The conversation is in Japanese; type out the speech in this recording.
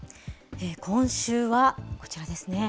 今週はこちらですね。